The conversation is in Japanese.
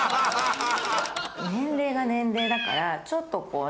年齢が年齢だからちょっとこうね